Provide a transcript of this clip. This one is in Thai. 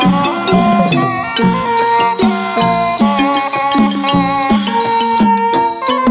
กลับมารับทราบ